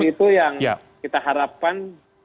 itu yang kita harapkan